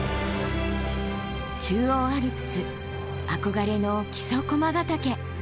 中央アルプス憧れの木曽駒ヶ岳。